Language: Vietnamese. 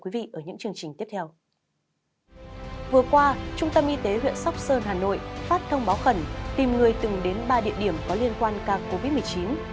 vừa qua trung tâm y tế huyện sóc sơn hà nội phát thông báo khẩn tìm người từng đến ba địa điểm có liên quan ca covid một mươi chín